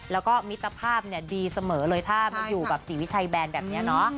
แล้วก็มิตรภาพดีเสมอเลยถ้ามาอยู่แบบศรีวิชัยแบนแบบนี้เนาะ